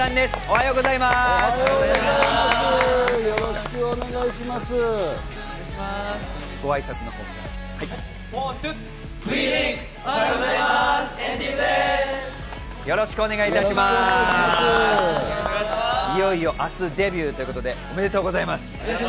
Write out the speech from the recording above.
おはようごいよいよ、明日デビューということで、おめでとうございます。